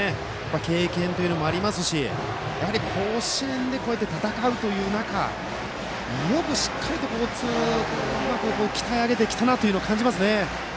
経験というのもありますし甲子園で戦うという中よくしっかりとうまく鍛え上げてきたなと感じますね。